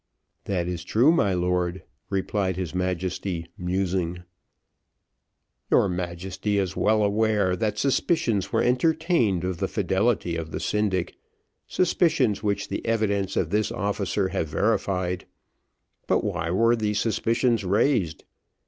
"That is true, my lord," replied his Majesty, musing. "Your Majesty is well aware that suspicions were entertained of the fidelity of the syndic, suspicions which the evidence of this officer have verified. But why were these suspicions raised?